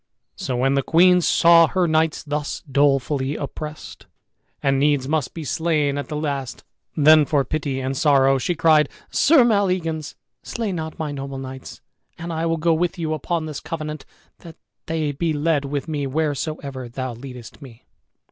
So when the queen saw her knights thus dolefully oppressed, and needs must be slain at the last, then for pity and sorrow she cried, "Sir Maleagans, slay not my noble knights and I will go with you, upon this covenant, that they be led with me wheresoever thou leadest me."